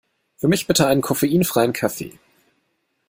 Für mich bitte einen koffeinfreien Kaffee!